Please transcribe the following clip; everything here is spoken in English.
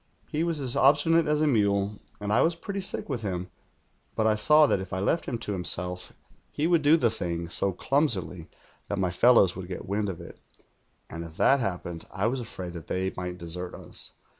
"He was as obstinate as a mule, and I was pretty sick with him; but I saw that if I left him to himself ho would do the thing so chimsily that my fellows would get wind of it, and if that happened I was afraid that they might desert us.